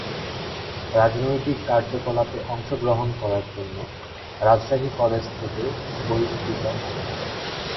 রাজনৈতিক কার্যকলাপে অংশগ্রহণ করার জন্য রাজশাহী কলেজ থেকে বহিষ্কৃত হন।